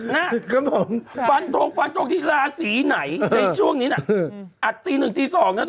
หนักครับผมฟันทงฟันทงที่ราศีไหนในช่วงนี้น่ะอัดตีหนึ่งตีสองนะเธอ